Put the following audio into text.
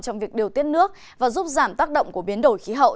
trong việc điều tiết nước và giúp giảm tác động của biến đổi khí hậu